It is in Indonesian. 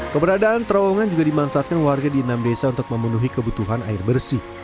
keberadaan terowongan juga dimanfaatkan warga di enam desa untuk memenuhi kebutuhan air bersih